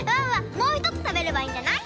もうひとつたべればいいんじゃない？